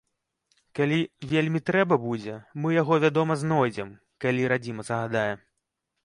Калі вельмі трэба будзе, мы яго, вядома, знойдзем, калі радзіма загадае.